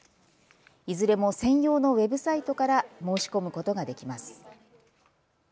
いずれも専用のウェブサイトから申し込むことができます。